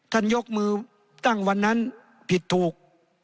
ยกมือตั้งวันนั้นผิดถูก